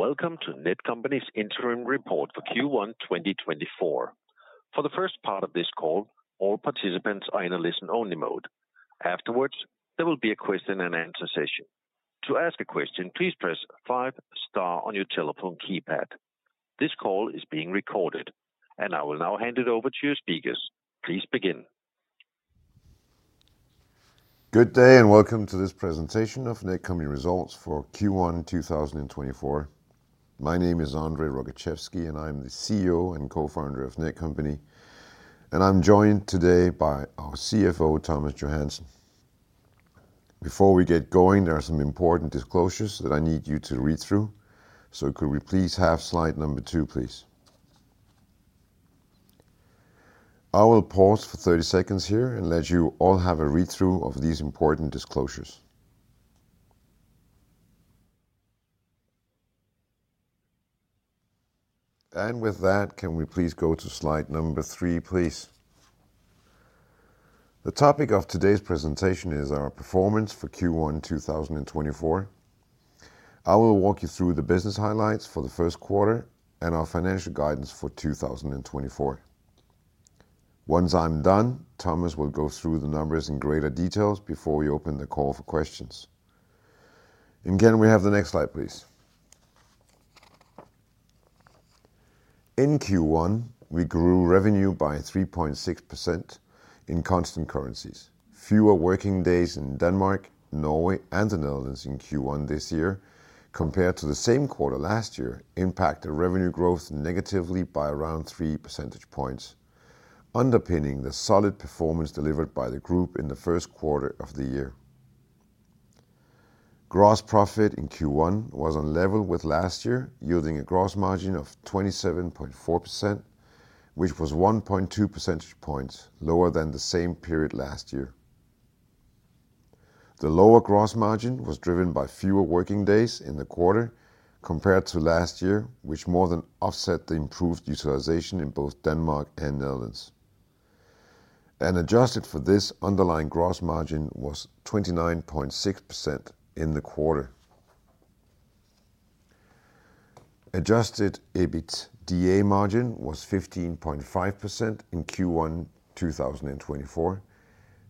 Welcome to Netcompany's interim report for Q1 2024. For the first part of this call, all participants are in a listen-only mode. Afterwards, there will be a question-and-answer session. To ask a question, please press five star on your telephone keypad. This call is being recorded, and I will now hand it over to your speakers. Please begin. Good day, and welcome to this presentation of Netcompany results for Q1 2024. My name is André Rogaczewski, and I'm the CEO and co-founder of Netcompany, and I'm joined today by our CFO, Thomas Johansen. Before we get going, there are some important disclosures that I need you to read through. So could we please have slide number two, please? I will pause for 30 seconds here and let you all have a read-through of these important disclosures. With that, can we please go to slide number three, please? The topic of today's presentation is our performance for Q1 2024. I will walk you through the business highlights for the first quarter and our financial guidance for 2024. Once I'm done, Thomas will go through the numbers in greater details before we open the call for questions. And can we have the next slide, please? In Q1, we grew revenue by 3.6% in constant currencies. Fewer working days in Denmark, Norway, and the Netherlands in Q1 this year, compared to the same quarter last year, impacted revenue growth negatively by around three percentage points, underpinning the solid performance delivered by the group in the first quarter of the year. Gross profit in Q1 was on level with last year, yielding a gross margin of 27.4%, which was 1.2 percentage points lower than the same period last year. The lower gross margin was driven by fewer working days in the quarter compared to last year, which more than offset the improved utilization in both Denmark and Netherlands. Adjusted for this, underlying gross margin was 29.6% in the quarter. Adjusted EBITDA margin was 15.5% in Q1 2024,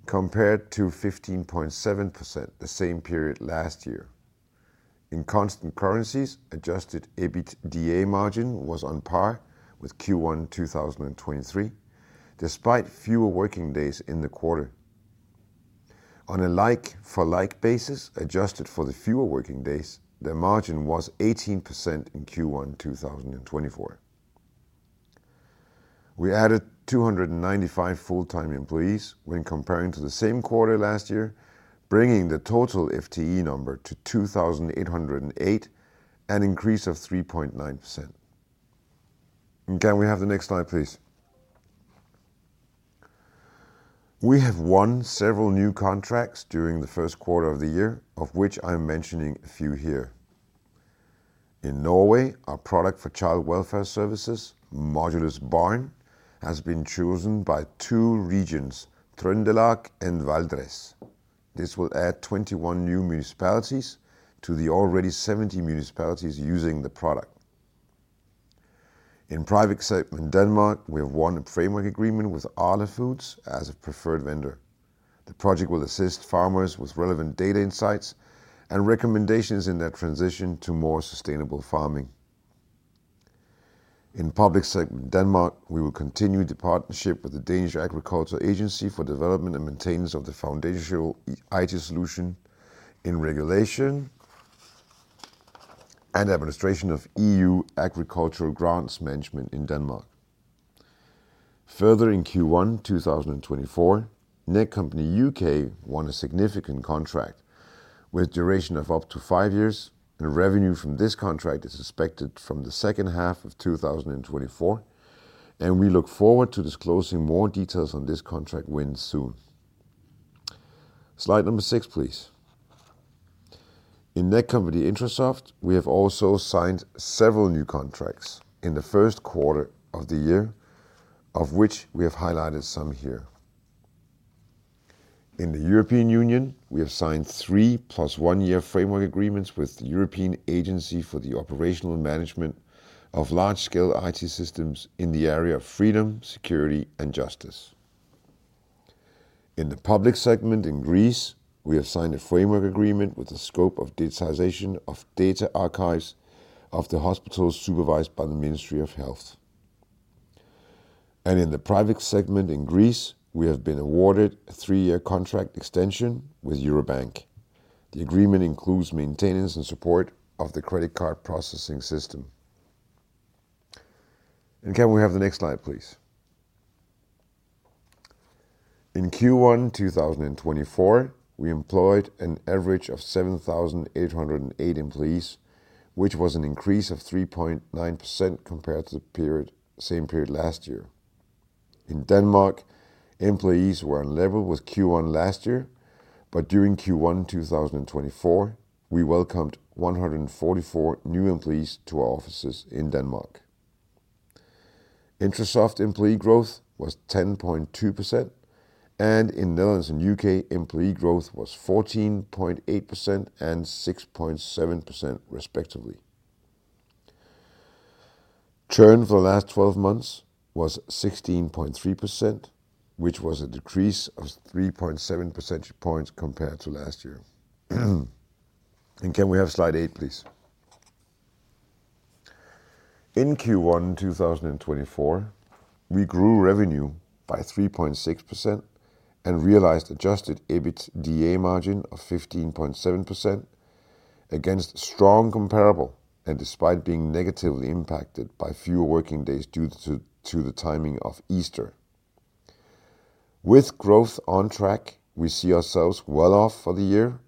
compared to 15.7% the same period last year. In constant currencies, adjusted EBITDA margin was on par with Q1 2023, despite fewer working days in the quarter. On a like for like basis, adjusted for the fewer working days, the margin was 18% in Q1 2024. We added 295 full-time employees when comparing to the same quarter last year, bringing the total FTE number to 2,808, an increase of 3.9%. Can we have the next slide, please? We have won several new contracts during the first quarter of the year, of which I'm mentioning a few here. In Norway, our product for child welfare services, Modulus Barn, has been chosen by two regions, Trøndelag and Valdres. This will add 21 new municipalities to the already 70 municipalities using the product. In private segment Denmark, we have won a framework agreement with Arla Foods as a preferred vendor. The project will assist farmers with relevant data insights and recommendations in their transition to more sustainable farming. In public segment Denmark, we will continue the partnership with the Danish Agricultural Agency for development and maintenance of the foundational IT solution in regulation and administration of E.U. agricultural grants management in Denmark. Further, in Q1 2024, Netcompany U.K. won a significant contract with duration of up to five years, and revenue from this contract is expected from the second half of 2024, and we look forward to disclosing more details on this contract win soon. Slide number six, please. In Netcompany-Intrasoft, we have also signed several new contracts in the first quarter of the year, of which we have highlighted some here. In the European Union, we have signed three plus one year framework agreements with the European Agency for the Operational Management of Large-Scale IT Systems in the Area of Freedom, Security, and Justice. In the public segment in Greece, we have signed a framework agreement with the scope of digitization of data archives of the hospitals supervised by the Ministry of Health. And in the private segment in Greece, we have been awarded a three-year contract extension with Eurobank. The agreement includes maintenance and support of the credit card processing system. And can we have the next slide, please? In Q1 2024, we employed an average of 7,808 employees, which was an increase of 3.9% compared to the period, same period last year. In Denmark, employees were on level with Q1 last year, but during Q1 2024, we welcomed 144 new employees to our offices in Denmark. Intrasoft employee growth was 10.2%, and in Netherlands and U.K., employee growth was 14.8% and 6.7% respectively. Churn for the last 12 months was 16.3%, which was a decrease of 3.7 percentage points compared to last year. And can we have Slide 8, please? In Q1 2024, we grew revenue by 3.6% and realized adjusted EBITDA margin of 15.7% against strong comparable and despite being negatively impacted by fewer working days due to the timing of Easter. With growth on track, we see ourselves well off for the year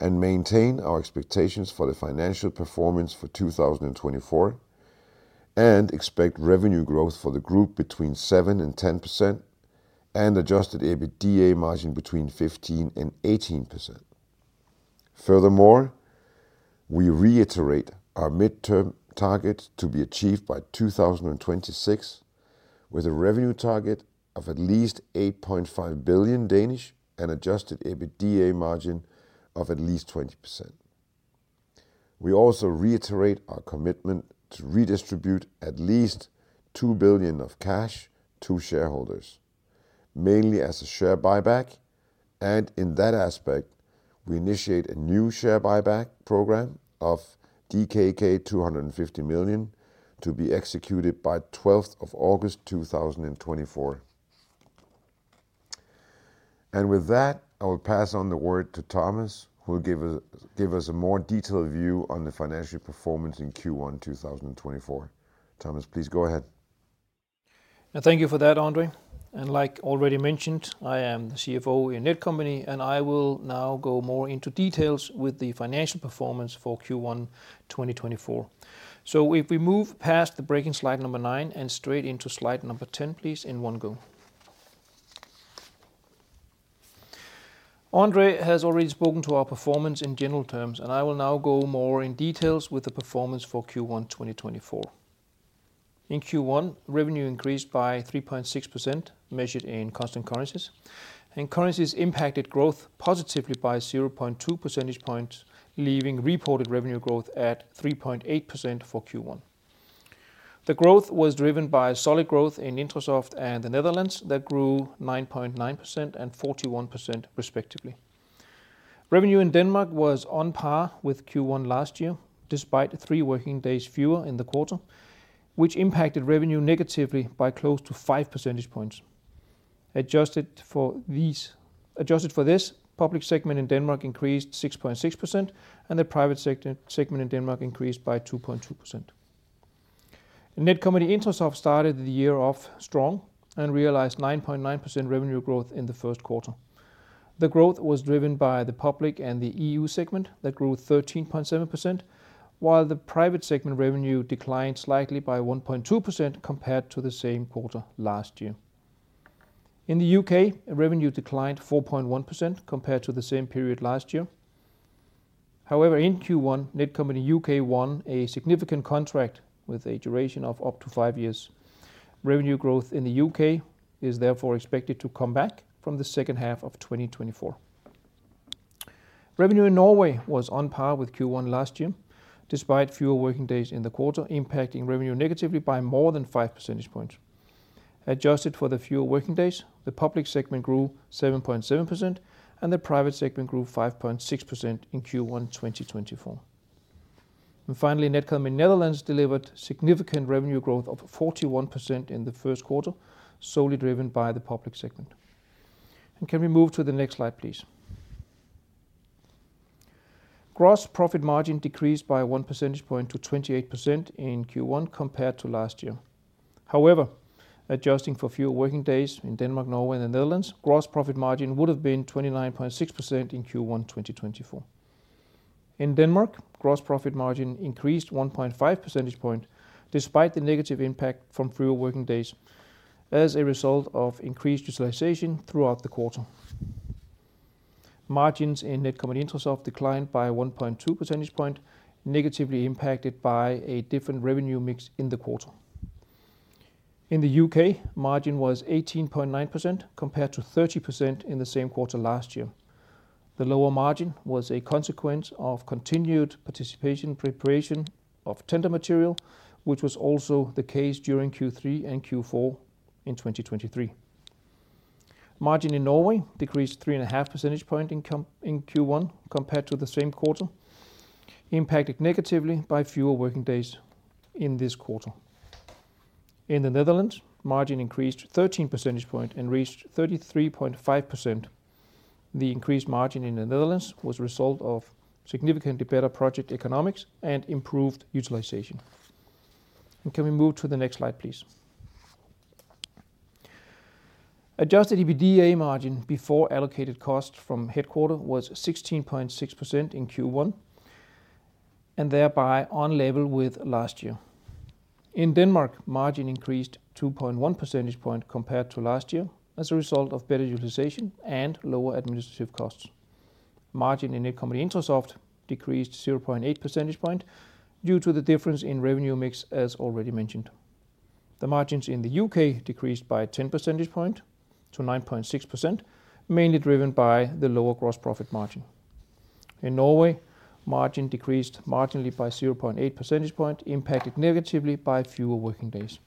and maintain our expectations for the financial performance for 2024, and expect revenue growth for the group between 7% and 10% and adjusted EBITDA margin between 15% and 18%. Furthermore, we reiterate our midterm target to be achieved by 2026, with a revenue target of at least 8.5 billion and adjusted EBITDA margin of at least 20%. We also reiterate our commitment to redistribute at least 2 billion of cash to shareholders, mainly as a share buyback, and in that aspect, we initiate a new share buyback program of DKK 250 million to be executed by August 12, 2024. And with that, I will pass on the word to Thomas, who will give us a more detailed view on the financial performance in Q1 2024. Thomas, please go ahead. And thank you for that, André. And like already mentioned, I am the CFO in Netcompany, and I will now go more into details with the financial performance for Q1 2024. So if we move past the breaking slide number nine and straight into slide number 10, please, in one go. André has already spoken to our performance in general terms, and I will now go more in details with the performance for Q1 2024. In Q1, revenue increased by 3.6%, measured in constant currencies, and currencies impacted growth positively by 0.2 percentage points, leaving reported revenue growth at 3.8% for Q1. The growth was driven by solid growth in Intrasoft and the Netherlands, that grew 9.9% and 41% respectively. Revenue in Denmark was on par with Q1 last year, despite three working days fewer in the quarter, which impacted revenue negatively by close to five percentage points. Adjusted for these- adjusted for this, public segment in Denmark increased 6.6%, and the private sector segment in Denmark increased by 2.2%. Netcompany-Intrasoft started the year off strong and realized 9.9% revenue growth in the first quarter. The growth was driven by the public and the E.U. segment that grew 13.7%, while the private segment revenue declined slightly by 1.2% compared to the same quarter last year. In the U.K., revenue declined 4.1% compared to the same period last year. However, in Q1, Netcompany U.K. won a significant contract with a duration of up to five years. Revenue growth in the U.K. is therefore expected to come back from the second half of 2024. Revenue in Norway was on par with Q1 last year, despite fewer working days in the quarter, impacting revenue negatively by more than five percentage points. Adjusted for the fewer working days, the public segment grew 7.7% and the private segment grew 5.6% in Q1 2024. Finally, Netcompany Netherlands delivered significant revenue growth of 41% in the first quarter, solely driven by the public segment. And can we move to the next slide, please? Gross profit margin decreased by one percentage point to 28% in Q1 compared to last year. However, adjusting for fewer working days in Denmark, Norway, and the Netherlands, gross profit margin would have been 29.6% in Q1 2024. In Denmark, gross profit margin increased 1.5 percentage point, despite the negative impact from fewer working days as a result of increased utilization throughout the quarter. Margins in Netcompany-Intrasoft declined by 1.2 percentage point, negatively impacted by a different revenue mix in the quarter. In the U.K., margin was 18.9%, compared to 30% in the same quarter last year. The lower margin was a consequence of continued participation, preparation of tender material, which was also the case during Q3 and Q4 in 2023. Margin in Norway decreased 3.5 percentage point in Q1 compared to the same quarter, impacted negatively by fewer working days in this quarter. In the Netherlands, margin increased 13 percentage point and reached 33.5%. The increased margin in the Netherlands was a result of significantly better project economics and improved utilization. Can we move to the next slide, please? Adjusted EBITDA margin before allocated costs from headquarters was 16.6% in Q1, and thereby on level with last year. In Denmark, margin increased 2.1 percentage point compared to last year as a result of better utilization and lower administrative costs. Margin in Netcompany-Intrasoft decreased 0.8 percentage point due to the difference in revenue mix, as already mentioned. The margins in the U.K. decreased by 10 percentage point to 9.6%, mainly driven by the lower gross profit margin. In Norway, margin decreased marginally by 0.8 percentage point, impacted negatively by fewer working days.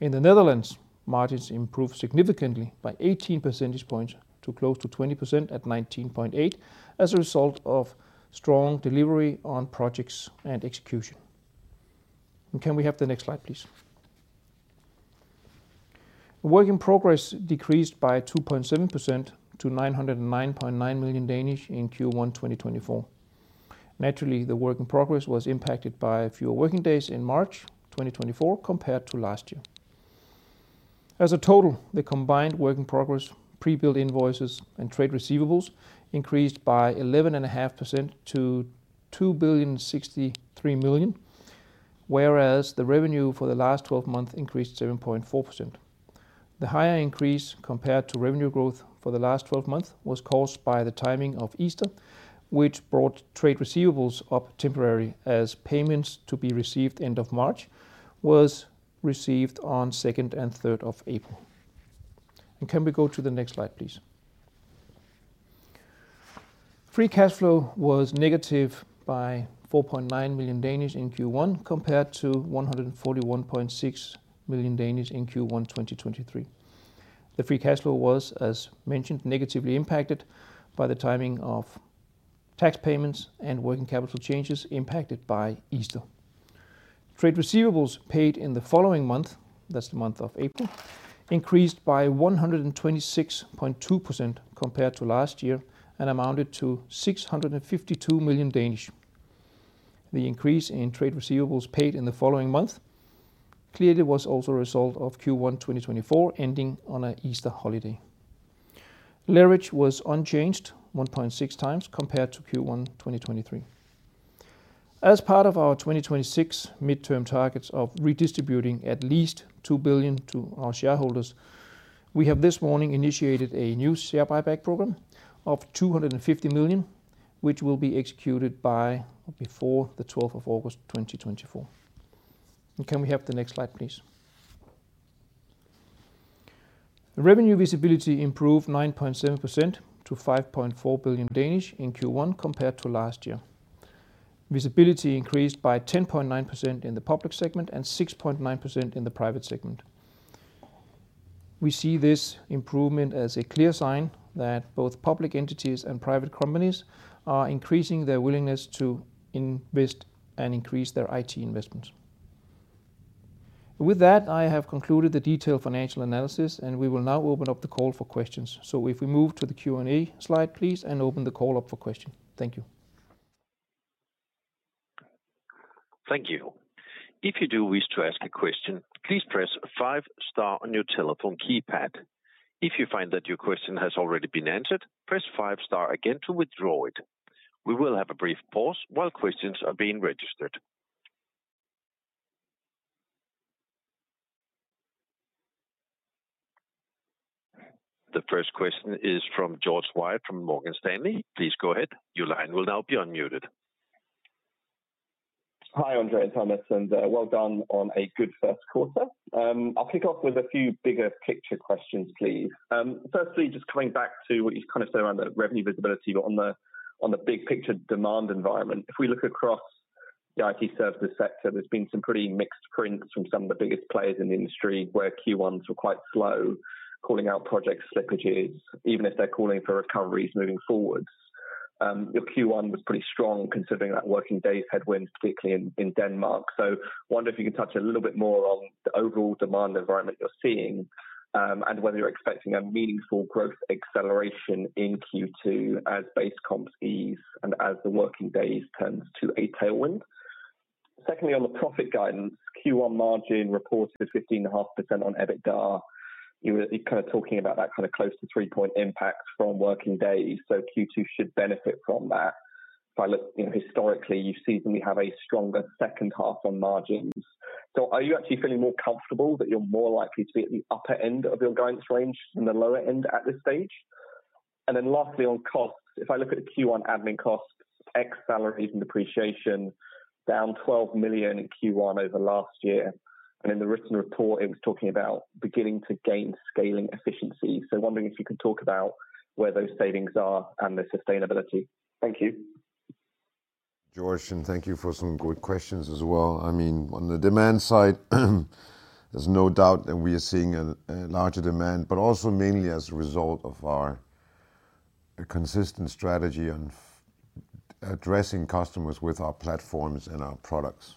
In the Netherlands, margins improved significantly by 18 percentage points to close to 20% at 19.8% as a result of strong delivery on projects and execution. Can we have the next slide, please? Work in progress decreased by 2.7% to 909.9 million in Q1 2024. Naturally, the work in progress was impacted by fewer working days in March 2024 compared to last year. As a total, the combined work in progress, pre-billed invoices, and trade receivables increased by 11.5% to 2,063 million, whereas the revenue for the last twelve months increased 7.4%. The higher increase compared to revenue growth for the last 12 months was caused by the timing of Easter, which brought trade receivables up temporarily, as payments to be received end of March was received on second and third of April. Can we go to the next slide, please? Free cash flow was negative by 4.9 million in Q1, compared to 141.6 million in Q1 2023. The free cash flow was, as mentioned, negatively impacted by the timing of tax payments and working capital changes impacted by Easter. Trade receivables paid in the following month, that's the month of April, increased by 126.2% compared to last year and amounted to 652 million. The increase in trade receivables paid in the following month clearly was also a result of Q1 2024 ending on an Easter holiday. Leverage was unchanged, 1.6x, compared to Q1 2023. As part of our 2026 midterm targets of redistributing at least 2 billion to our shareholders, we have this morning initiated a new share buyback program of 250 million, which will be executed by or before the 12th of August 2024. Can we have the next slide, please? The revenue visibility improved 9.7% to 5.4 billion in Q1 compared to last year. Visibility increased by 10.9% in the public segment and 6.9% in the private segment. We see this improvement as a clear sign that both public entities and private companies are increasing their willingness to invest and increase their IT investments. With that, I have concluded the detailed financial analysis, and we will now open up the call for questions. So if we move to the Q&A slide, please, and open the call up for questions. Thank you. Thank you. If you do wish to ask a question, please press five star on your telephone keypad. If you find that your question has already been answered, press five star again to withdraw it. We will have a brief pause while questions are being registered. The first question is from George Webb, from Morgan Stanley. Please go ahead. Your line will now be unmuted. Hi, André and Thomas, and well done on a good first quarter. I'll kick off with a few bigger picture questions, please. Firstly, just coming back to what you've kind of said around the revenue visibility, but on the big picture demand environment, if we look across the IT services sector, there's been some pretty mixed prints from some of the biggest players in the industry, where Q1s were quite slow, calling out project slippages, even if they're calling for recoveries moving forwards. Your Q1 was pretty strong considering that working days headwind, particularly in Denmark. So I wonder if you can touch a little bit more on the overall demand environment you're seeing, and whether you're expecting a meaningful growth acceleration in Q2 as base comps ease and as the working days turns to a tailwind. Secondly, on the profit guidance, Q1 margin reported 15.5% on EBITDA. You were kind of talking about that kind of close to three-point impact from working days, so Q2 should benefit from that. If I look, you know, historically, you've seasonally have a stronger second half on margins. So are you actually feeling more comfortable that you're more likely to be at the upper end of your guidance range than the lower end at this stage? And then lastly, on costs. If I look at the Q1 admin costs, ex salaries and depreciation, down 12 million in Q1 over last year, and in the written report, it was talking about beginning to gain scaling efficiency. So wondering if you could talk about where those savings are and their sustainability? Thank you. George, and thank you for some good questions as well. I mean, on the demand side, there's no doubt that we are seeing a larger demand, but also mainly as a result of our consistent strategy on addressing customers with our platforms and our products.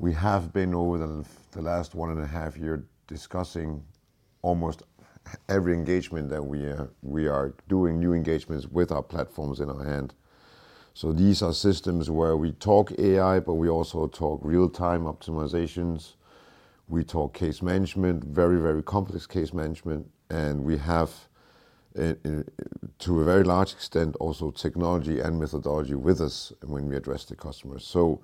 We have been, over the last one and a half year, discussing almost every engagement that we are doing new engagements with our platforms in our hand. So these are systems where we talk AI, but we also talk real-time optimizations, we talk case management, very, very complex case management, and we have, to a very large extent, also technology and methodology with us when we address the customers. So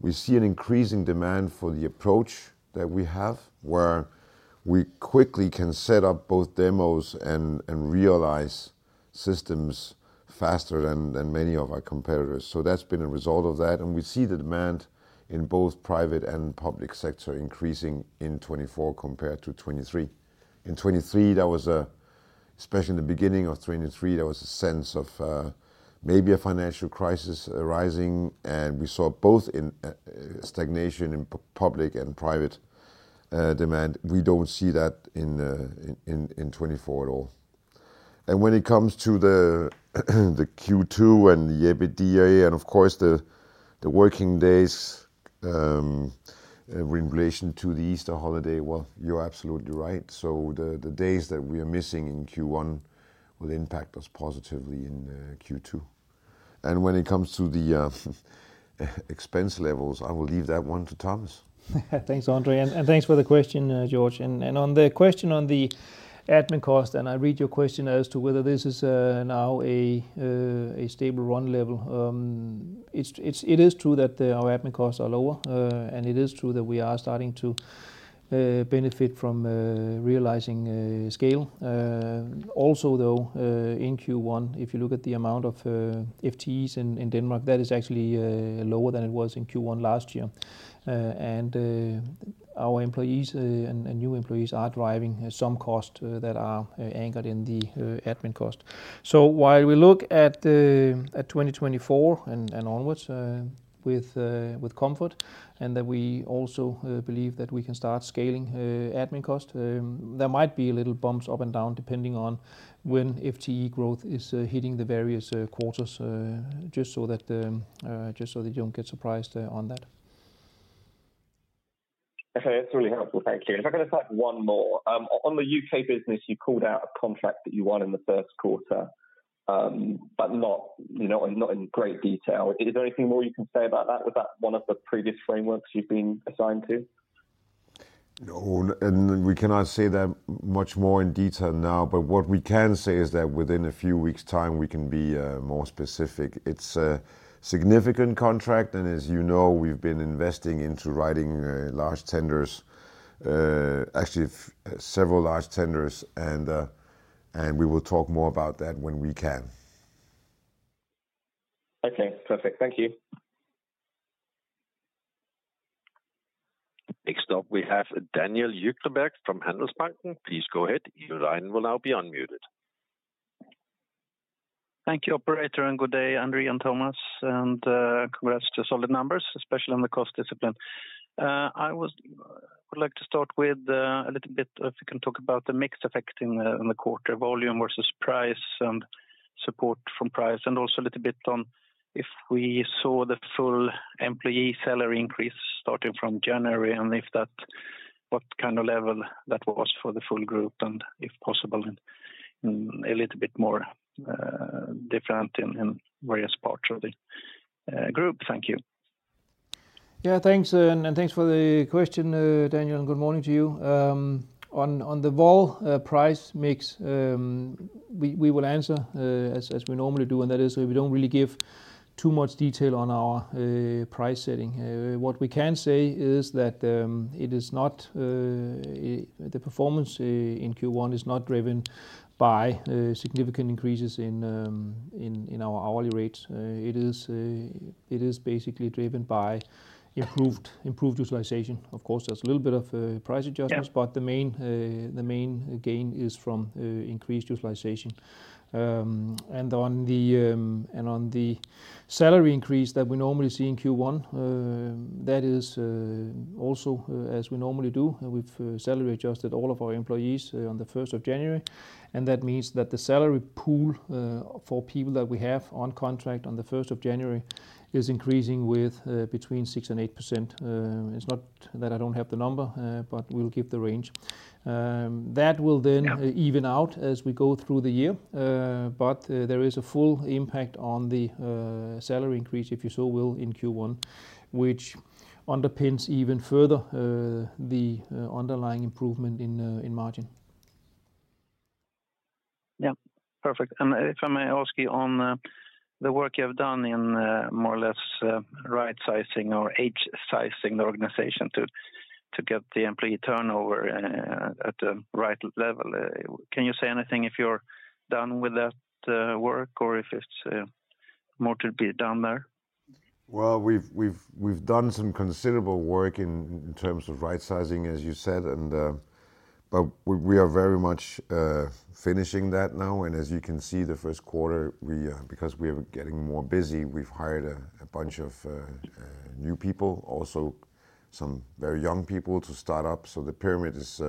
we see an increasing demand for the approach that we have, where we quickly can set up both demos and realize systems faster than many of our competitors. So that's been a result of that, and we see the demand in both private and public sector increasing in 2024 compared to 2023. In 2023, there was especially in the beginning of 2023, there was a sense of maybe a financial crisis arising, and we saw both in stagnation in public and private demand. We don't see that in 2024 at all. And when it comes to the Q2 and the EBITDA, and of course, the working days in relation to the Easter holiday, well, you're absolutely right. So the days that we are missing in Q1 will impact us positively in Q2. When it comes to the expense levels, I will leave that one to Thomas. Thanks, André, and thanks for the question, George. On the question on the admin cost, I read your question as to whether this is now a stable run level. It is true that our admin costs are lower, and it is true that we are starting to benefit from realizing scale. Also, though, in Q1, if you look at the amount of FTEs in Denmark, that is actually lower than it was in Q1 last year. And our employees and new employees are driving some costs that are anchored in the admin cost. While we look at 2024 and onwards with comfort, and then we also believe that we can start scaling admin cost. There might be little bumps up and down, depending on when FTE growth is hitting the various quarters, just so that you don't get surprised on that. Okay, that's really helpful. Thank you. If I could just ask one more. On the U.K. business, you called out a contract that you won in the first quarter, but not, you know, not in great detail. Is there anything more you can say about that? Was that one of the previous frameworks you've been assigned to? No, and we cannot say that much more in detail now, but what we can say is that within a few weeks' time, we can be more specific. It's a significant contract, and as you know, we've been investing into writing large tenders, actually, several large tenders, and we will talk more about that when we can. Okay, perfect. Thank you. Next up, we have Daniel Djurberg from Handelsbanken. Please go ahead. Your line will now be unmuted. Thank you, operator, and good day, André and Thomas, and congrats to solid numbers, especially on the cost discipline. I would like to start with a little bit, if you can talk about the mix effect in the quarter volume versus price and support from price, and also a little bit on if we saw the full employee salary increase starting from January, and if that, what kind of level that was for the full group, and if possible, a little bit more different in various parts of the group. Thank you. Yeah, thanks, and thanks for the question, Daniel, and good morning to you. On the vol price mix, we will answer as we normally do, and that is, we don't really give too much detail on our price setting. What we can say is that it is not the performance in Q1 is not driven by significant increases in our hourly rates. It is basically driven by improved utilization. Of course, there's a little bit of price adjustments but the main gain is from increased utilization. And on the salary increase that we normally see in Q1, that is also, as we normally do, we've salary adjusted all of our employees on the 1st of January, and that means that the salary pool for people that we have on contract on the 1st of January is increasing with between 6% and 8%. It's not that I don't have the number, but we'll keep the range. That will then even out as we go through the year, but there is a full impact on the salary increase, if you so will, in Q1, which underpins even further the underlying improvement in margin. Yeah. Perfect. And if I may ask you on the work you have done in more or less right sizing or age sizing the organization to get the employee turnover at the right level, can you say anything if you're done with that work, or if it's more to be done there? Well, we've done some considerable work in terms of right sizing, as you said, and but we are very much finishing that now. And as you can see, the first quarter, we because we are getting more busy, we've hired a bunch of new people, also some very young people to start up. So the pyramid is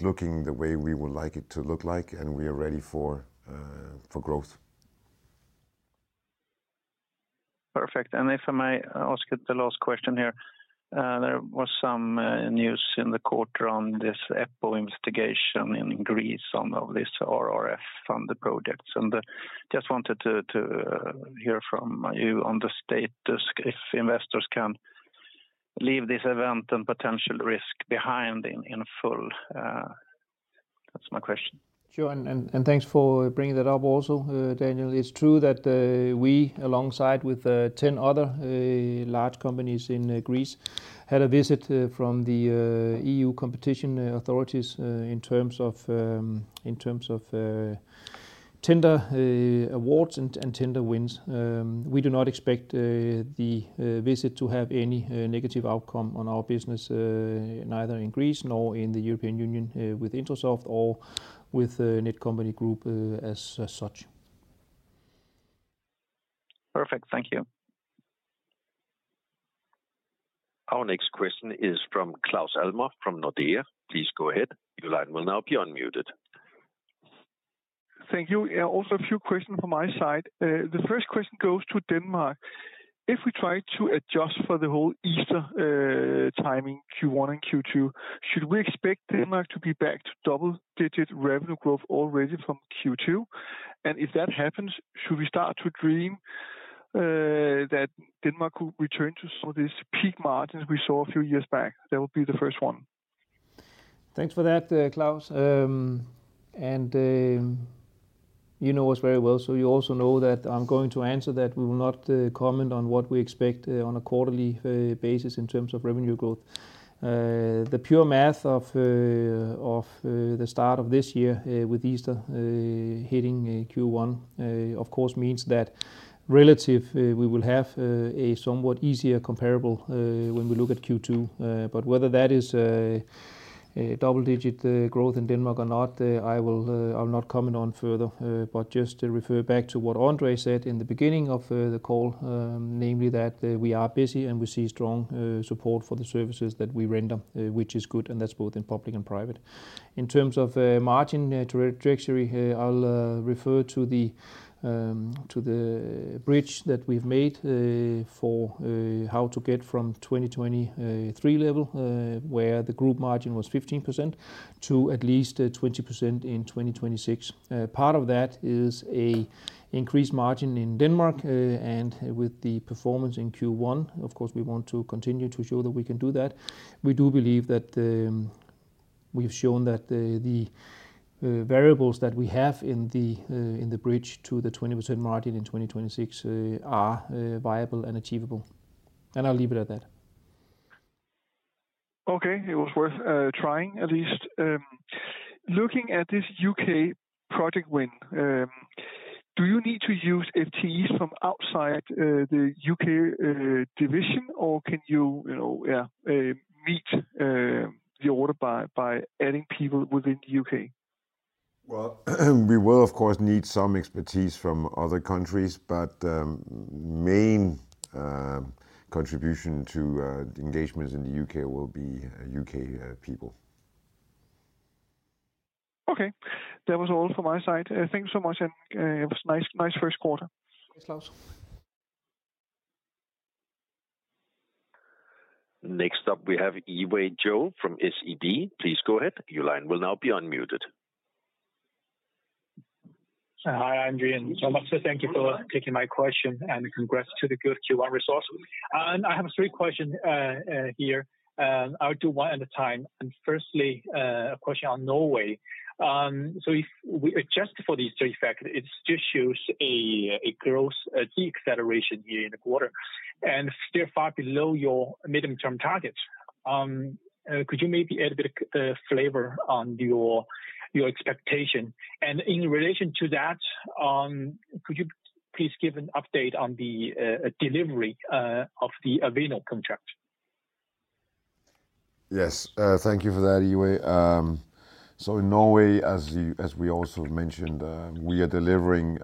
looking the way we would like it to look like, and we are ready for growth. Perfect. And if I may ask you the last question here. There was some news in the quarter on this EPPO investigation in Greece on this RRF funded projects. And just wanted to hear from you on the state, if investors can leave this event and potential risk behind in full. That's my question. Sure, and thanks for bringing that up also, Daniel. It's true that we, alongside with ten other large companies in Greece, had a visit from the E.U. competition authorities in terms of tender awards and tender wins. We do not expect the visit to have any negative outcome on our business, neither in Greece nor in the European Union, with Intrasoft or with Netcompany Group, as such. Perfect. Thank you. Our next question is from Claus Almer from Nordea. Please go ahead. Your line will now be unmuted. Thank you. Yeah, also a few questions from my side. The first question goes to Denmark. If we try to adjust for the whole Easter timing, Q1 and Q2, should we expect Denmark to be back to double-digit revenue growth already from Q2? And if that happens, should we start to dream that Denmark could return to some of these peak margins we saw a few years back? That would be the first one. Thanks for that, Claus. And you know us very well, so you also know that I'm going to answer that we will not comment on what we expect on a quarterly basis in terms of revenue growth. The pure math of the start of this year with Easter hitting Q1 of course means that relative we will have a somewhat easier comparable when we look at Q2. But whether that is a double-digit growth in Denmark or not, I will, I'll not comment on further, but just to refer back to what André said in the beginning of the call, namely, that we are busy, and we see strong support for the services that we render, which is good, and that's both in public and private. In terms of margin trajectory, I'll refer to the bridge that we've made for how to get from 2023 level, where the group margin was 15%, to at least 20% in 2026. Part of that is an increased margin in Denmark, and with the performance in Q1, of course, we want to continue to show that we can do that. We do believe that we've shown that the variables that we have in the bridge to the 20% margin in 2026 are viable and achievable. And I'll leave it at that. Okay. It was worth trying at least. Looking at this U.K. project win, do you need to use FTEs from outside the U.K. division, or can you, you know, meet the order by adding people within the U.K.? Well, we will of course need some expertise from other countries, but main contribution to the engagements in the U.K. will be U.K. people. Okay. That was all from my side. Thanks so much, and it was nice, nice first quarter. Thanks, Claus. Next up, we have Yiwei Zhou from SEB. Please go ahead. Your line will now be unmuted. Hi, André and Thomas. Thank you for taking my question, and congrats to the good Q1 results. I have three questions here. I'll do one at a time. And firstly, a question on Norway. So if we adjust for these three factors, it still shows a gross key acceleration here in the quarter, and still far below your medium-term targets. Could you maybe add a bit of flavor on your expectation? And in relation to that, could you please give an update on the delivery of the Avinor contract? Yes. Thank you for that, Yiwei. So in Norway, as you, as we also mentioned, we are delivering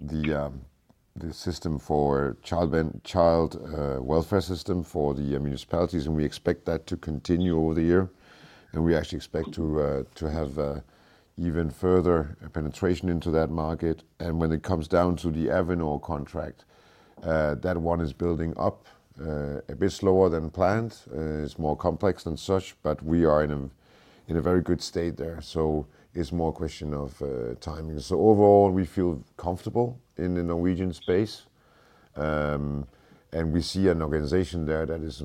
the system for child welfare system for the municipalities, and we expect that to continue over the year. And we actually expect to have even further penetration into that market. And when it comes down to the Avinor contract, that one is building up a bit slower than planned. It's more complex than such, but we are in a very good state there, so it's more a question of timing. So overall, we feel comfortable in the Norwegian space, and we see an organization there that is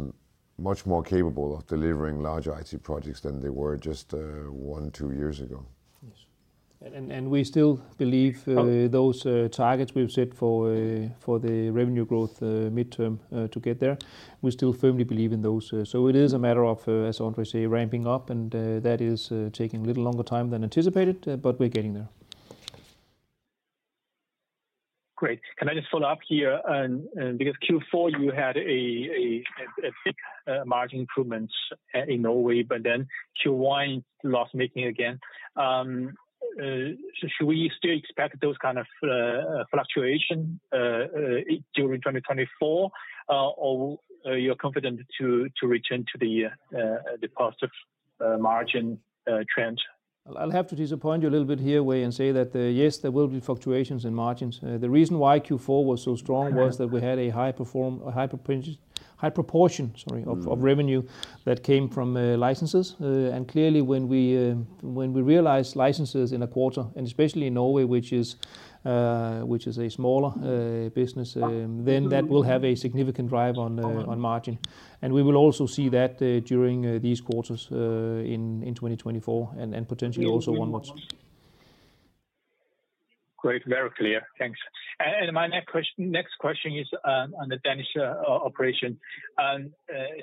much more capable of delivering larger IT projects than they were just one, two years ago. Yes. And we still believe those targets we've set for the revenue growth midterm to get there. We still firmly believe in those. So it is a matter of, as André say, ramping up, and that is taking a little longer time than anticipated, but we're getting there. Great. Can I just follow up here? And because Q4, you had a big margin improvements in Norway, but then Q1 loss-making again. Should we still expect those kind of fluctuation during 2024? Or are you confident to return to the positive margin trend? I'll have to disappoint you a little bit here, Wei, and say that yes, there will be fluctuations in margins. The reason why Q4 was so strong was that we had a high proportion, sorry, of revenue that came from licenses. And clearly, when we realize licenses in a quarter, and especially in Norway, which is a smaller business, then that will have a significant drive on margin. And we will also see that during these quarters in 2024 and potentially also onwards. Great, very clear. Thanks. And my next question is on the Danish operation.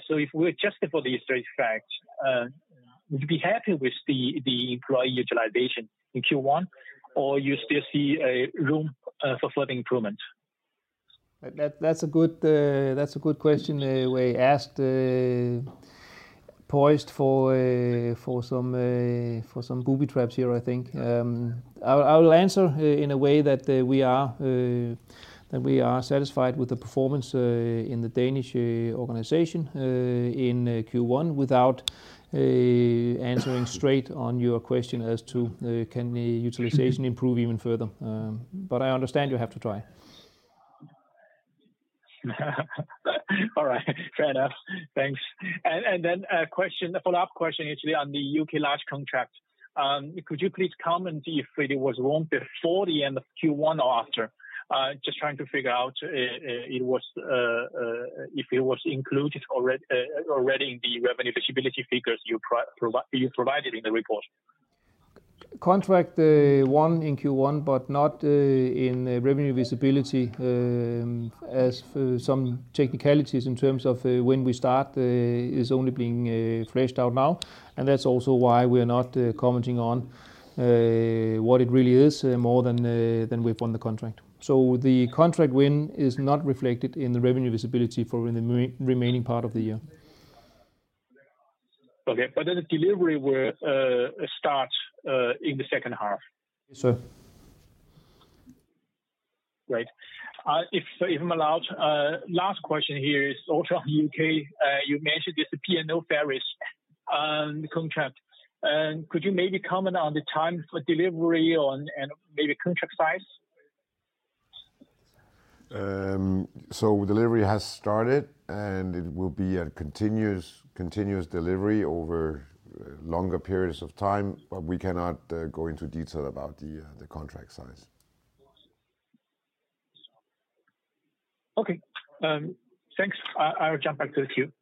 So if we adjust for the straight facts, would you be happy with the employee utilization in Q1, or you still see room for further improvement? That's a good question. We're poised for some booby traps here, I think. I'll answer in a way that we are satisfied with the performance in the Danish organization in Q1, without answering straight on your question as to can the utilization improve even further. But I understand you have to try. All right. Fair enough. Thanks. A follow-up question actually on the U.K. large contract. Could you please comment if it was won before the end of Q1 or after? Just trying to figure out if it was included already in the revenue visibility figures you provided in the report. Contract won in Q1, but not in the revenue visibility, as for some technicalities in terms of when we start is only being fleshed out now. That's also why we're not commenting on what it really is, more than we've won the contract. The contract win is not reflected in the revenue visibility for the remaining part of the year. Okay. But then the delivery will start in the second half? Yes, sir. Great. If I'm allowed, last question here is also on the U.K. You mentioned this P&O Ferries contract. And could you maybe comment on the time for delivery and maybe contract size? So delivery has started, and it will be a continuous delivery over longer periods of time, but we cannot go into detail about the contract size. Okay, thanks. I'll jump back to the queue.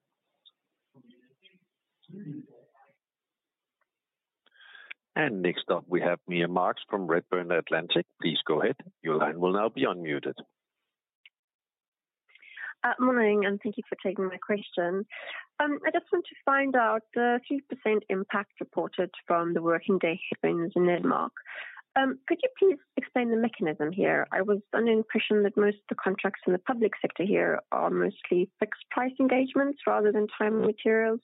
Next up, we have Nina Marques from Redburn Atlantic. Please go ahead. Your line will now be unmuted. Morning, and thank you for taking my question. I just want to find out the 3% impact reported from the working day happens in Denmark. Could you please explain the mechanism here? I was under the impression that most of the contracts in the public sector here are mostly fixed price engagements rather than time and materials.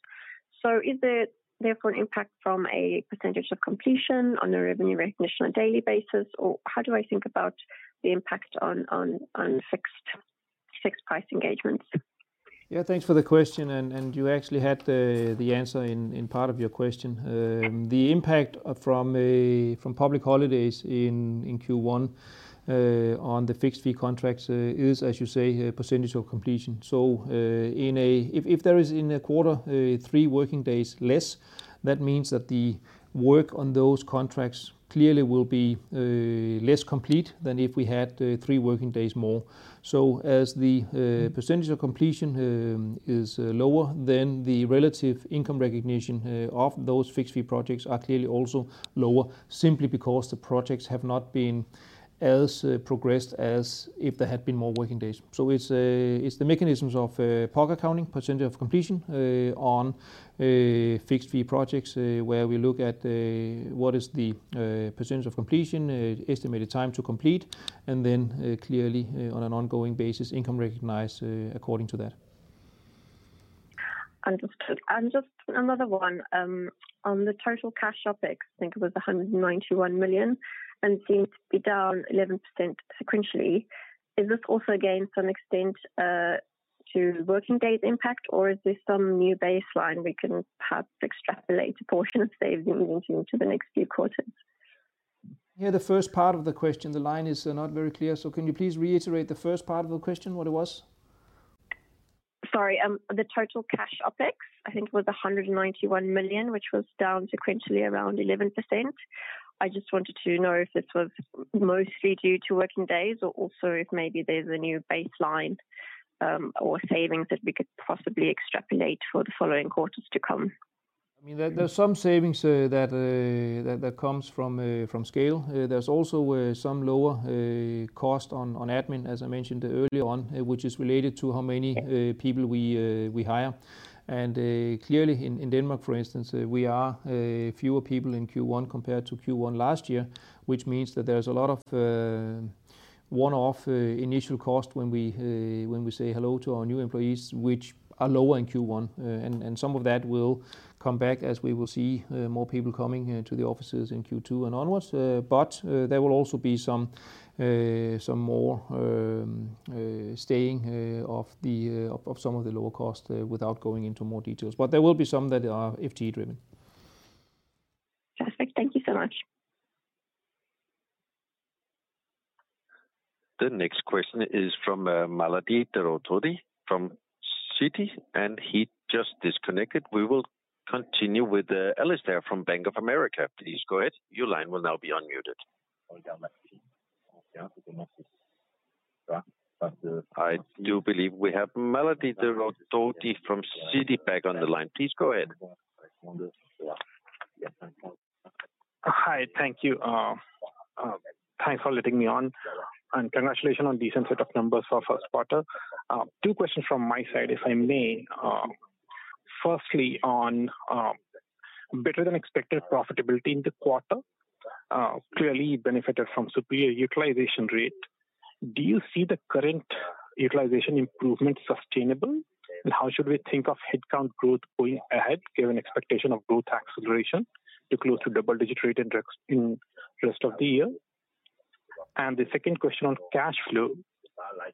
So is there therefore an impact from a percentage of completion on the revenue recognition on a daily basis, or how do I think about the impact on fixed price engagements? Yeah, thanks for the question, and you actually had the answer in part of your question. The impact from public holidays in Q1 on the fixed fee contracts is, as you say, a percentage of completion. So, if there is in a quarter three working days less, that means that the work on those contracts clearly will be less complete than if we had three working days more. So as the percentage of completion is lower, then the relative income recognition of those fixed fee projects are clearly also lower, simply because the projects have not been as progressed as if there had been more working days. It's the mechanisms of POC accounting, percentage of completion, on fixed fee projects, where we look at what is the percentage of completion, estimated time to complete, and then clearly, on an ongoing basis, income recognized according to that. Understood. And just another one on the total cash topics, I think it was 191 million, and seems to be down 11% sequentially. Is this also, again, some extent to working days impact, or is this some new baseline we can perhaps extrapolate a portion of savings into the next few quarters? I hear the first part of the question. The line is not very clear, so can you please reiterate the first part of the question, what it was? Sorry, the total cash OpEx, I think, was 191 million, which was down sequentially around 11%. I just wanted to know if this was mostly due to working days, or also if maybe there's a new baseline, or savings that we could possibly extrapolate for the following quarters to come. I mean, there are some savings that comes from scale. There's also some lower cost on admin, as I mentioned earlier on, which is related to how many people we hire. And clearly in Denmark, for instance, we are fewer people in Q1 compared to Q1 last year, which means that there's a lot of one-off initial cost when we say hello to our new employees, which are lower in Q1. And some of that will come back as we will see more people coming to the offices in Q2 and onwards. But there will also be some more staying of some of the lower cost without going into more details. But there will be some that are FTE driven. Perfect. Thank you so much. The next question is from Balajee Tirupati from Citi, and he just disconnected. We will continue with Aditya from Bank of America. Please go ahead. Your line will now be unmuted. I do believe we have Balajee Tirupati from Citi on the line. Please go ahead. Hi, thank you. Thanks for letting me on, and congratulations on decent set of numbers for first quarter. Two questions from my side, if I may. Firstly, on better-than-expected profitability in the quarter, clearly benefited from superior utilization rate. Do you see the current utilization improvement sustainable? And how should we think of headcount growth going ahead, given expectation of growth acceleration to close to double-digit rate in the rest of the year? And the second question on cash flow: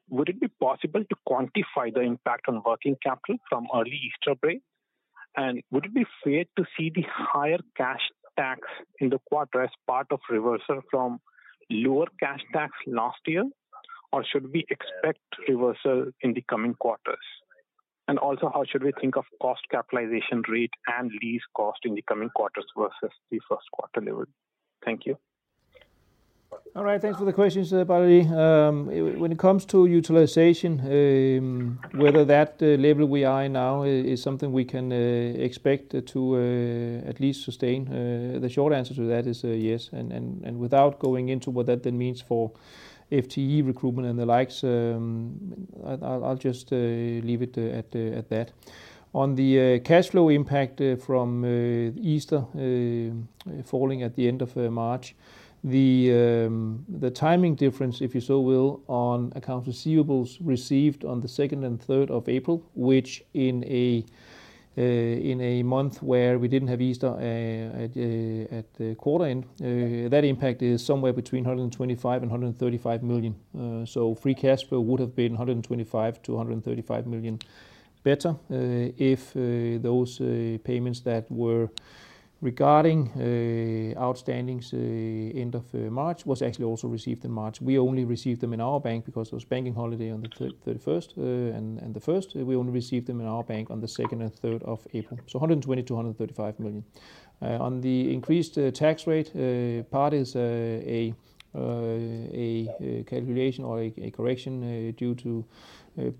Would it be possible to quantify the impact on working capital from early Easter break? And would it be fair to see the higher cash tax in the quarter as part of reversal from lower cash tax last year, or should we expect reversal in the coming quarters? Also, how should we think of cost capitalization rate and lease cost in the coming quarters versus the first quarter level? Thank you. All right, thanks for the questions, Balajee. When it comes to utilization, whether that level we are in now is something we can expect to at least sustain, the short answer to that is yes. And without going into what that then means for FTE recruitment and the likes, I'll just leave it at that. On the cash flow impact from Easter falling at the end of March, the timing difference, if you so will, on accounts receivables received on the 2nd and 3rd of April, which in a month where we didn't have Easter at the quarter end, that impact is somewhere between 125 million and 135 million. So free cash flow would have been 125-135 million better if those payments that were regarding outstandings end of March was actually also received in March. We only received them in our bank because it was banking holiday on the 31st and the first. We only received them in our bank on the second and third of April, so 120-135 million. On the increased tax rate part is a calculation or a correction due to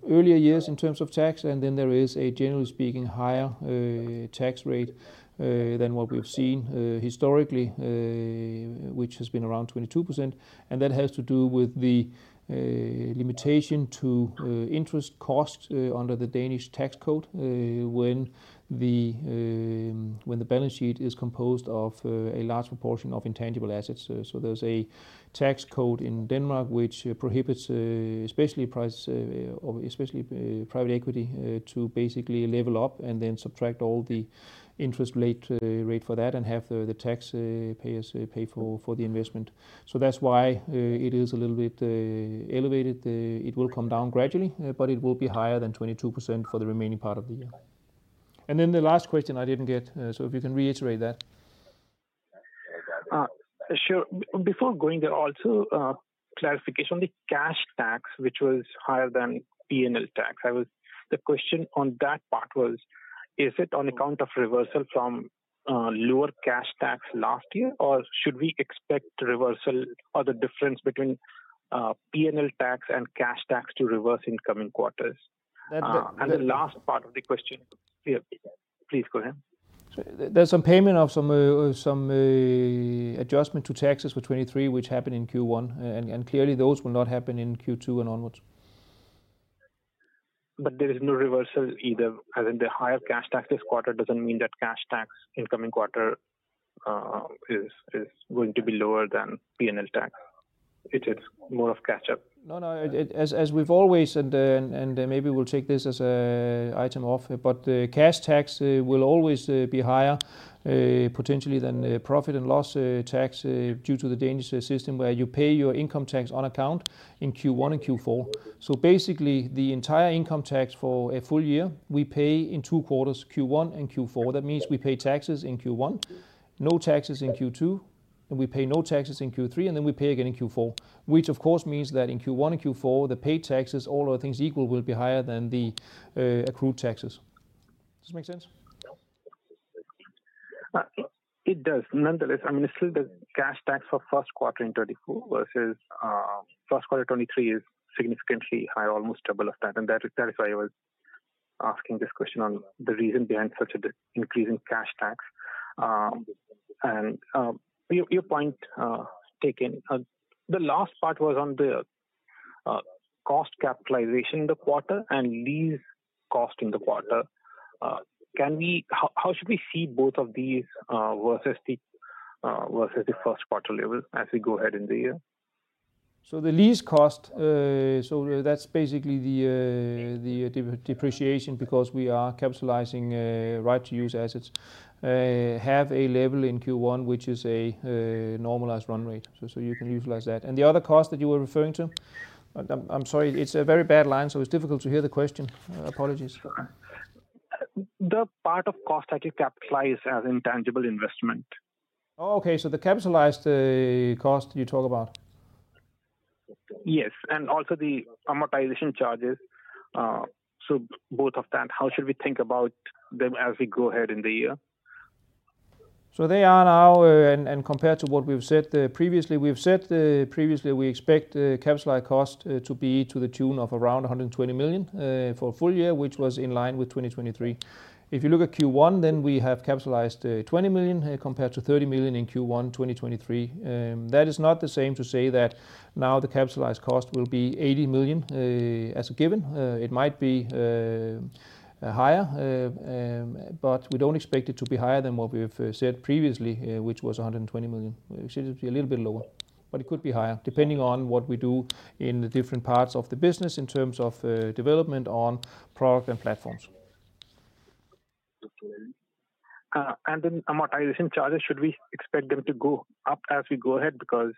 earlier years in terms of tax, and then there is a, generally speaking, higher tax rate than what we've seen historically, which has been around 22%. That has to do with the limitation to interest costs under the Danish tax code when the balance sheet is composed of a large proportion of intangible assets. So there's a tax code in Denmark which prohibits especially price or especially private equity to basically level up and then subtract all the interest rate for that and have the taxpayers pay for the investment. So that's why it is a little bit elevated. It will come down gradually, but it will be higher than 22% for the remaining part of the year. And then the last question I didn't get, so if you can reiterate that. Sure. Before going there, also, clarification on the cash tax, which was higher than PNL tax. I was. The question on that part was, is it on account of reversal from lower cash tax last year, or should we expect reversal or the difference between PNL tax and cash tax to reverse in coming quarters? That's the last part of the question, please go ahead. There's some payment of some adjustment to taxes for 2023, which happened in Q1. And clearly, those will not happen in Q2 and onwards. But there is no reversal either, as in the higher cash tax this quarter doesn't mean that cash tax in coming quarter is going to be lower than PNL tax. It is more of catch-up. No, no, as we've always said, and maybe we'll take this as an item off, but the cash tax will always be higher, potentially than the profit and loss tax, due to the Danish system, where you pay your income tax on account in Q1 and Q4. So basically, the entire income tax for a full-year, we pay in two quarters, Q1 and Q4. That means we pay taxes in Q1, no taxes in Q2, and we pay no taxes in Q3, and then we pay again in Q4. Which of course means that in Q1 and Q4, the paid taxes, all other things equal, will be higher than the accrued taxes. Does this make sense? It does. Nonetheless, I mean, still the cash tax for first quarter in 2024 versus first quarter 2023 is significantly higher, almost double of that, and that is, that is why I was asking this question on the reason behind such a dramatic increase in cash tax. And your point taken. The last part was on the cost capitalization in the quarter and lease cost in the quarter. Can we... How should we see both of these versus the first quarter level as we go ahead in the year? So the lease cost, so that's basically the depreciation, because we are capitalizing right to use assets, have a level in Q1, which is a normalized run rate. So you can utilize that. And the other cost that you were referring to? I'm sorry, it's a very bad line, so it's difficult to hear the question. Apologies. The part of cost that you capitalize as intangible investment. Oh, okay. So the capitalized cost you talk about? Yes, and also the amortization charges. So both of that, how should we think about them as we go ahead in the year? So they are now, and compared to what we've said previously, we've said previously we expect capitalized cost to be to the tune of around 120 million for full-year, which was in line with 2023. If you look at Q1, then we have capitalized 20 million compared to 30 million in Q1 2023. That is not the same to say that now the capitalized cost will be 80 million as a given. It might be higher, but we don't expect it to be higher than what we've said previously, which was 120 million. We said it'd be a little bit lower, but it could be higher, depending on what we do in the different parts of the business in terms of development on product and platforms. Okay. And then amortization charges, should we expect them to go up as we go ahead? Because,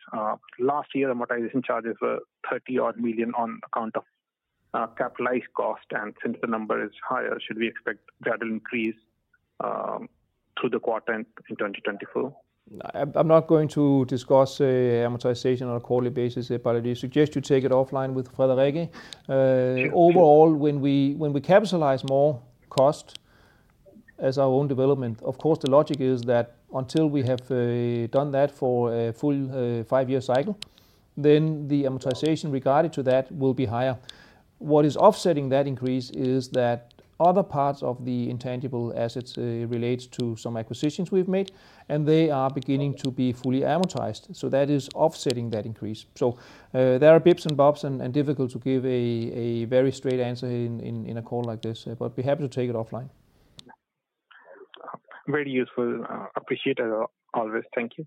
last year, amortization charges were 30-odd million on account of, capitalized cost, and since the number is higher, should we expect that will increase, through the quarter in 2024? I'm not going to discuss amortization on a quarterly basis, but I do suggest you take it offline with Frederikke. Overall, when we, when we capitalize more cost as our own development, of course, the logic is that until we have done that for a full five-year cycle, then the amortization related to that will be higher. What is offsetting that increase is that other parts of the intangible assets relates to some acquisitions we've made, and they are beginning to be fully amortized. So that is offsetting that increase. So, there are bits and bobs and difficult to give a very straight answer in a call like this, but be happy to take it offline. Very useful. Appreciate it, always. Thank you.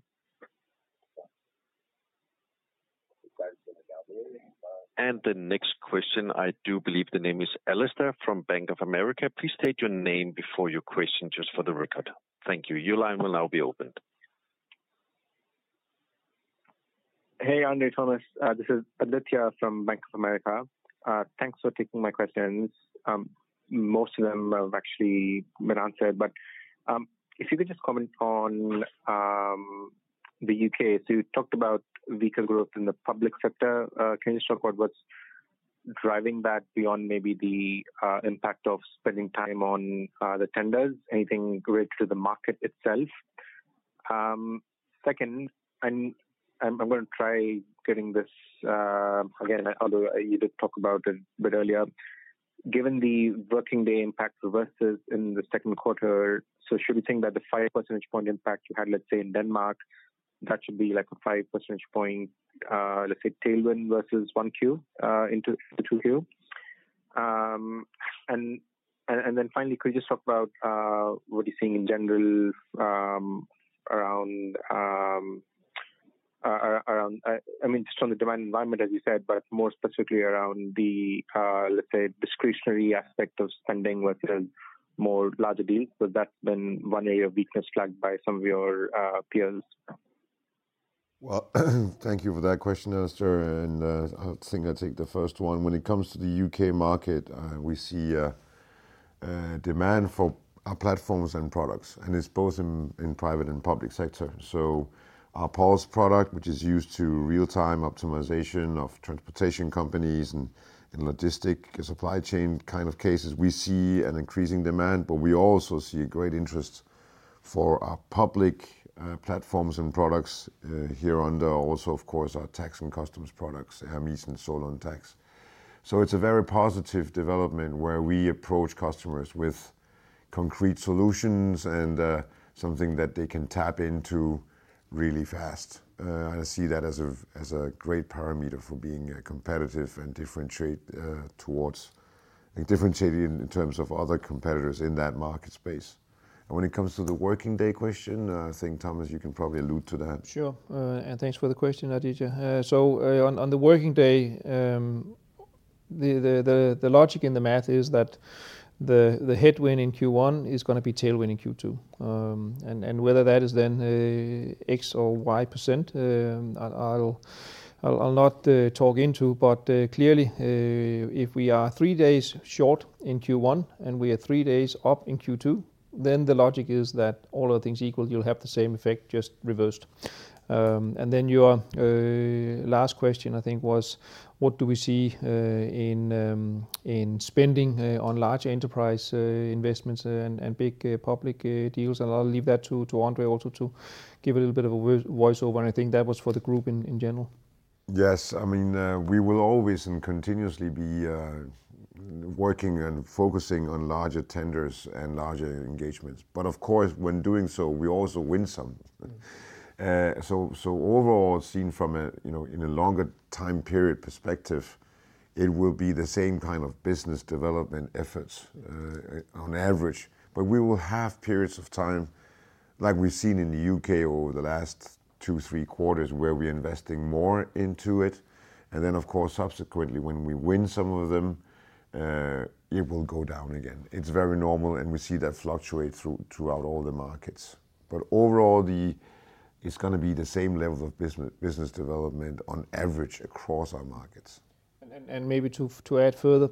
The next question, I do believe the name is Alistair from Bank of America. Please state your name before your question, just for the record. Thank you. Your line will now be opened. Hey, André, Thomas, this is Aditya from Bank of America. Thanks for taking my questions. Most of them have actually been answered, but, if you could just comment on, the U.K. So you talked about weaker growth in the public sector. Can you talk about what's driving that beyond maybe the, impact of spending time on, the tenders? Anything related to the market itself? Second, and I'm, I'm gonna try getting this, again, although you did talk about it a bit earlier. Given the working day impacts versus in the second quarter, so should we think that the five percentage point impact you had, let's say, in Denmark, that should be like a five percentage point, tailwind versus 1Q, into, into 2Q? Then finally, could you just talk about what you're seeing in general around. I mean, just from the demand environment, as you said, but more specifically around the, let's say, discretionary aspect of spending with the more larger deals? So that's been one area of weakness flagged by some of your peers. Well, thank you for that question, Aditya, and I think I'll take the first one. When it comes to the U.K. market, we see a demand for our platforms and products, and it's both in private and public sector. So our Pulse product, which is used to real-time optimization of transportation companies and logistics supply chain kind of cases, we see an increasing demand, but we also see a great interest for our public platforms and products here under also, of course, our tax and customs products, Hermes and Solon Tax. So it's a very positive development, where we approach customers with concrete solutions and something that they can tap into really fast. I see that as a great parameter for being competitive and differentiate towards. And differentiating in terms of other competitors in that market space. When it comes to the working day question, I think, Thomas, you can probably allude to that. Sure. Thanks for the question, Aditya. So, on the working day, the logic in the math is that the headwind in Q1 is gonna be tailwind in Q2. And whether that is then X% or Y%, I'll not talk into. But clearly, if we are three days short in Q1, and we are three days up in Q2, then the logic is that all other things equal, you'll have the same effect, just reversed. Then your last question, I think, was: What do we see in spending on large enterprise investments and big public deals? I'll leave that to André also to give a little bit of a voice over, and I think that was for the group in general. Yes. I mean, we will always and continuously be working and focusing on larger tenders and larger engagements, but of course, when doing so, we also win some. So, overall, seen from a, you know, in a longer time period perspective, it will be the same kind of business development efforts on average. But we will have periods of time, like we've seen in the U.K. over the last 2-3 quarters, where we're investing more into it, and then, of course, subsequently, when we win some of them, it will go down again. It's very normal, and we see that fluctuate throughout all the markets. But overall, it's gonna be the same level of business development on average across our markets. Maybe to add further,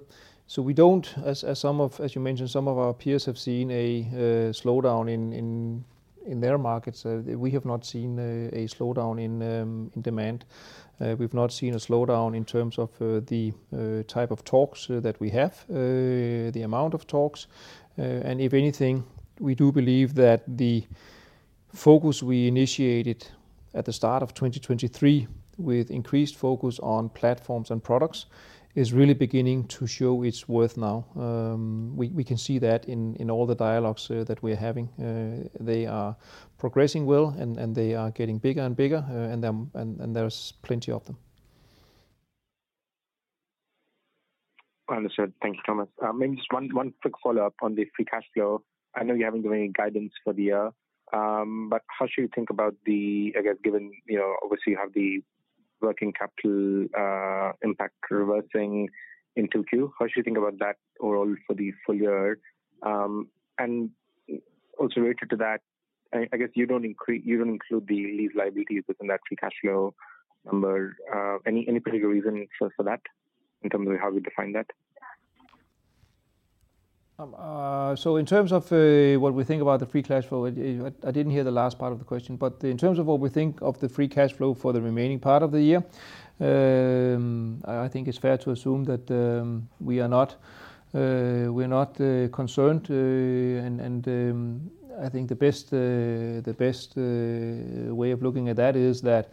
so we don't, as some of, as you mentioned, some of our peers have seen a slowdown in their markets. We have not seen a slowdown in demand. We've not seen a slowdown in terms of the type of talks that we have, the amount of talks. And if anything, we do believe that the focus we initiated at the start of 2023, with increased focus on platforms and products, is really beginning to show its worth now. We can see that in all the dialogues that we're having. They are progressing well, and they are getting bigger and bigger, and there's plenty of them. Understood. Thank you, Thomas. Maybe just one quick follow-up on the free cash flow. I know you haven't given any guidance for the year, but how should you think about the, I guess, given, you know, obviously you have the working capital impact reversing in 2Q, how should you think about that overall for the full-year? And also related to that, I guess you don't include the lease liabilities within that free cash flow number. Any particular reason for that, in terms of how we define that? So in terms of what we think about the free cash flow, I didn't hear the last part of the question, but in terms of what we think of the free cash flow for the remaining part of the year, I think it's fair to assume that we are not, we're not, concerned. And I think the best way of looking at that is that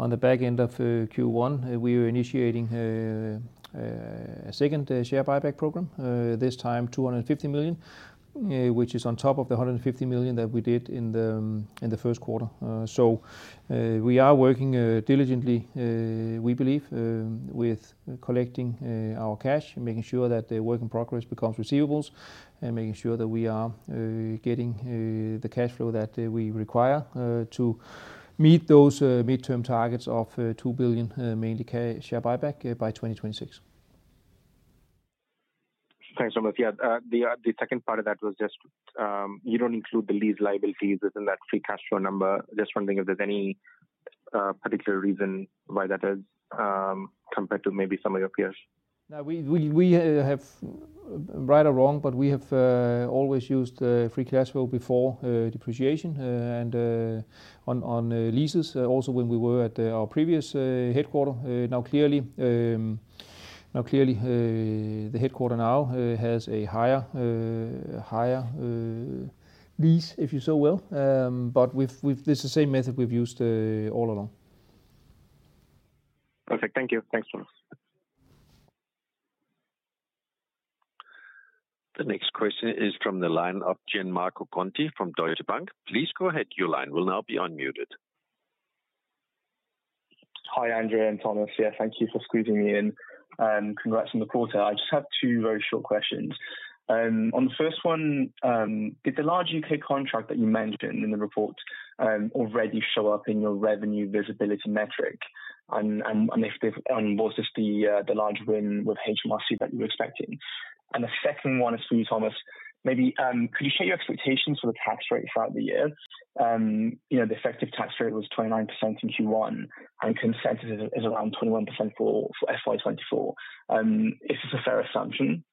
on the back end of Q1, we are initiating a second share buyback program, this time 250 million, which is on top of the 150 million that we did in the first quarter. So, we are working diligently, we believe, with collecting our cash and making sure that the work in progress becomes receivables, and making sure that we are getting the cash flow that we require to meet those midterm targets of 2 billion, mainly cash share buyback, by 2026. Thanks so much. Yeah, the second part of that was just, you don't include the lease liabilities within that free cash flow number. Just wondering if there's any particular reason why that is, compared to maybe some of your peers? No, we have, right or wrong, but we have always used free cash flow before depreciation and on leases, also when we were at our previous headquarters. Now, clearly, the headquarters now has a higher lease, if you so will. But we've, this is the same method we've used all along. Perfect. Thank you. Thanks, Thomas. The next question is from the line of Gianmarco Conti from Deutsche Bank. Please go ahead. Your line will now be unmuted. Hi, André and Thomas. Yeah, thank you for squeezing me in, and congrats on the quarter. I just have two very short questions. On the first one, did the large U.K. contract that you mentioned in the report already show up in your revenue visibility metric? And if this was the large win with HMRC that you were expecting? And the second one is for you, Thomas. Maybe could you share your expectations for the tax rate throughout the year? You know, the effective tax rate was 29% in Q1, and consensus is around 21% for FY 2024. Is this a fair assumption?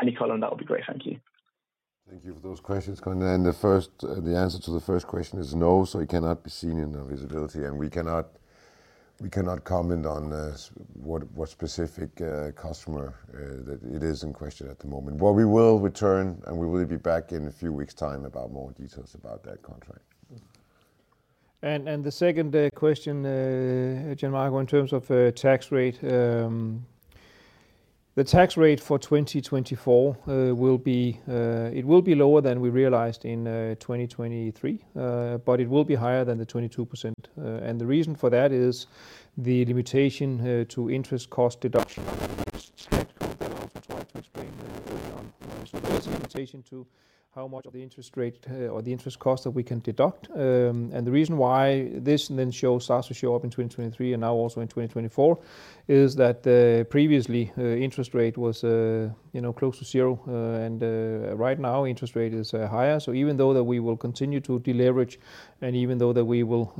Any color on that would be great. Thank you. Thank you for those questions, Conti. And the first, the answer to the first question is no, so it cannot be seen in the visibility, and we cannot comment on what specific customer that it is in question at the moment. But we will return, and we will be back in a few weeks' time about more details about that contract. The second question, Gianmarco, in terms of tax rate, the tax rate for 2024 will be it will be lower than we realized in 2023, but it will be higher than the 22%. And the reason for that is the limitation to interest cost deduction, which I also tried to explain earlier on. So there's a limitation to how much of the interest rate or the interest cost that we can deduct. And the reason why this then starts to show up in 2023 and now also in 2024 is that previously interest rate was you know close to zero and right now interest rate is higher. So even though that we will continue to deleverage, and even though that we will,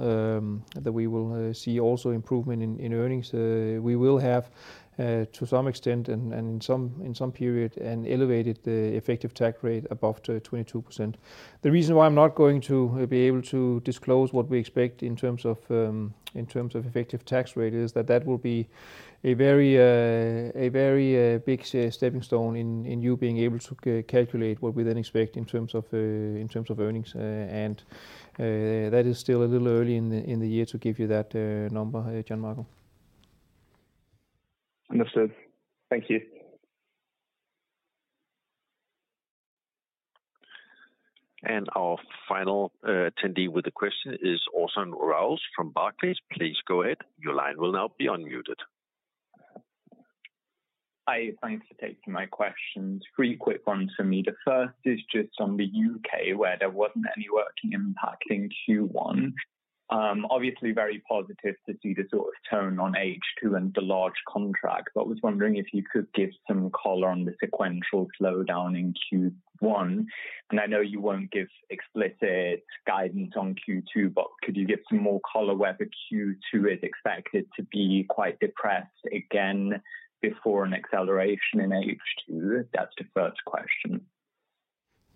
that we will, see also improvement in, in earnings, we will have, to some extent and, and in some, in some period, an elevated effective tax rate above 22%. The reason why I'm not going to be able to disclose what we expect in terms of, in terms of effective tax rate, is that that will be a very, a very, big, stepping stone in, in you being able to calculate what we then expect in terms of, in terms of earnings. And, that is still a little early in the, in the year to give you that, number, Gianmarco. Understood. Thank you. Our final attendee with the question is Orson Rout from Barclays. Please go ahead. Your line will now be unmuted. Hi, thanks for taking my questions. Three quick ones for me. The first is just on the U.K., where there wasn't any working impact in Q1. Obviously, very positive to see the sort of tone on H2 and the large contract, but was wondering if you could give some color on the sequential slowdown in Q1. And I know you won't give explicit guidance on Q2, but could you give some more color whether Q2 is expected to be quite depressed again before an acceleration in H2? That's the first question.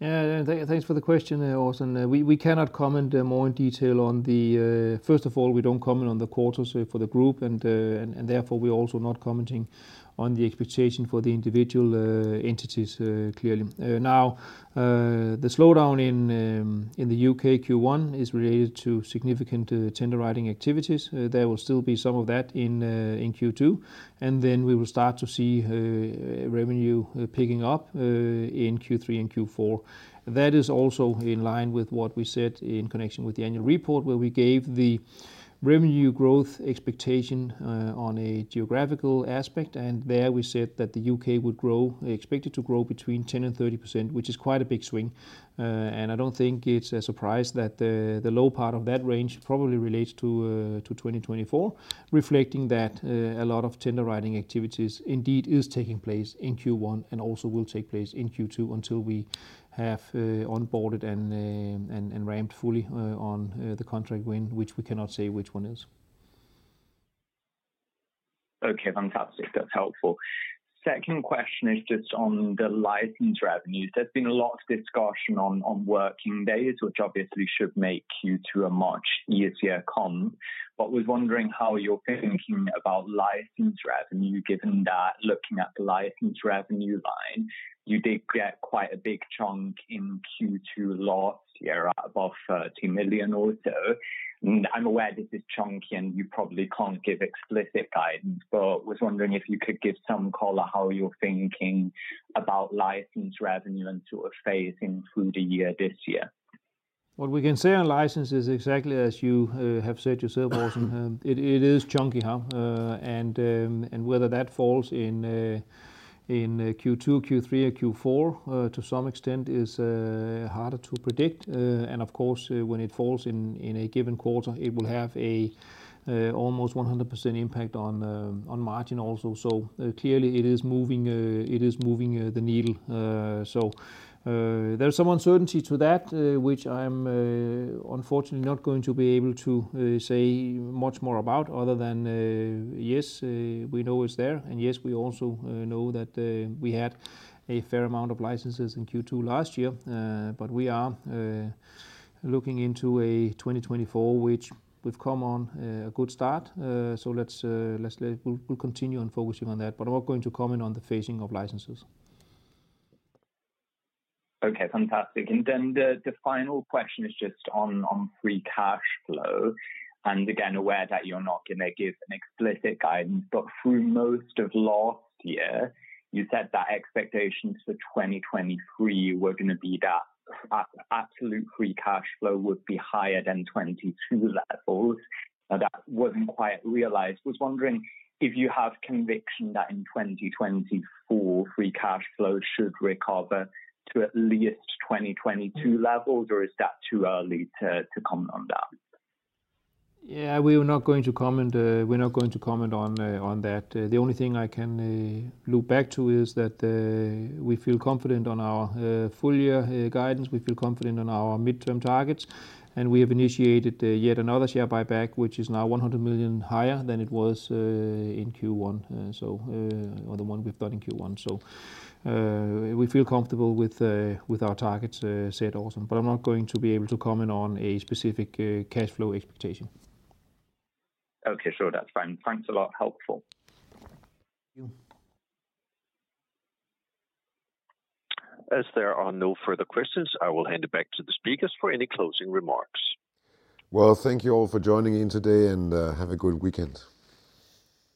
Yeah, thanks for the question there, Orson. We cannot comment more in detail on the... First of all, we don't comment on the quarters for the group, and therefore, we're also not commenting on the expectation for the individual entities clearly. Now, the slowdown in the U.K. Q1 is related to significant tender writing activities. There will still be some of that in Q2, and then we will start to see revenue picking up in Q3 and Q4. That is also in line with what we said in connection with the annual report, where we gave the revenue growth expectation on a geographical aspect. And there we said that the U.K. would grow, expected to grow between 10% and 30%, which is quite a big swing. And I don't think it's a surprise that the low part of that range probably relates to 2024, reflecting that a lot of tender writing activities indeed is taking place in Q1, and also will take place in Q2, until we have onboarded and ramped fully on the contract win, which we cannot say which one is. Okay, fantastic. That's helpful. Second question is just on the license revenues. There's been a lot of discussion on, on working days, which obviously should make Q2 a much easier comp. But was wondering how you're thinking about license revenue, given that looking at the license revenue line, you did get quite a big chunk in Q2 last year, above 30 million or so. And I'm aware this is chunky, and you probably can't give explicit guidance, but was wondering if you could give some color how you're thinking about license revenue and sort of phasing through the year this year. What we can say on license is exactly as you have said yourself, Orson. It is chunky, huh? And whether that falls in Q2, Q3, or Q4 to some extent is harder to predict. And of course, when it falls in a given quarter, it will have a almost 100% impact on margin also. So, clearly it is moving the needle. So, there's some uncertainty to that, which I'm unfortunately not going to be able to say much more about, other than yes, we know it's there, and yes, we also know that we had a fair amount of licenses in Q2 last year. But we are looking into a 2024, which we've come on a good start. So we'll continue on focusing on that, but I'm not going to comment on the phasing of licenses. Okay, fantastic. And then the final question is just on free cash flow. And again, aware that you're not going to give an explicit guidance, but through most of last year, you said that expectations for 2023 were going to be that absolute free cash flow would be higher than 2022 levels, and that wasn't quite realized. Was wondering if you have conviction that in 2024, free cash flow should recover to at least 2022 levels, or is that too early to comment on that? Yeah, we are not going to comment, we're not going to comment on that. The only thing I can look back to is that, we feel confident on our full-year guidance. We feel confident on our midterm targets, and we have initiated yet another share buyback, which is now 100 million higher than it was in Q1. So, or the one we've done in Q1. So, we feel comfortable with our targets, Orson, but I'm not going to be able to comment on a specific cash flow expectation. Okay, sure. That's fine. Thanks a lot. Helpful. Thank you. As there are no further questions, I will hand it back to the speakers for any closing remarks. Well, thank you all for joining in today, and have a good weekend.